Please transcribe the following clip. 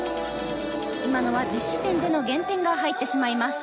今のは実施点での減点が入ってしまいます。